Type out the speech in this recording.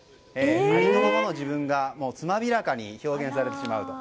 ありのままの自分が自分がつまびらかに表現されてしまうと。